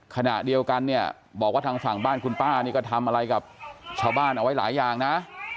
ขณะเดียวกันเนี่ยบอกว่าทางฝั่งบ้านคุณป้านี่ก็ทำอะไรกับชาวบ้านเอาไว้หลายอย่างนะ